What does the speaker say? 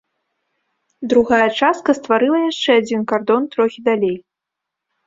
Другая частка стварыла яшчэ адзін кардон трохі далей.